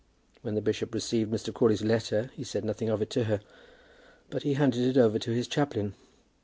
When the bishop received Mr. Crawley's letter he said nothing of it to her; but he handed it over to his chaplain.